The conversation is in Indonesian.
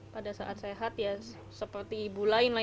pada saat sehat seperti ibu lain